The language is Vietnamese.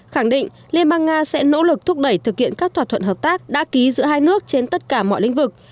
khẳng định liên bang nga sẽ nỗ lực thúc đẩy thực hiện các thỏa thuận hợp tác đã ký giữa hai nước trên tất cả mọi lĩnh vực